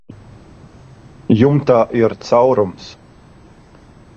Jumtā ir caurums.